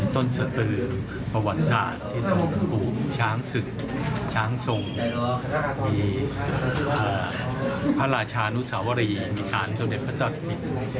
ต้นสติประวัติศาสตร์ที่สมบูรณ์ช้างศึกช้างทรงมีพระราชานุสวรีมีชาญตะเด็ดพระศักดิ์สิทธิ์